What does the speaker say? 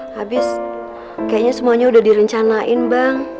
habis kayaknya semuanya udah direncanain bang